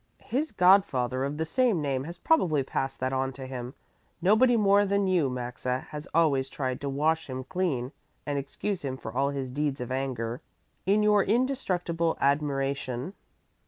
"His godfather of the same name has probably passed that on to him. Nobody more than you, Maxa, has always tried to wash him clean and excuse him for all his deeds of anger. In your indestructible admiration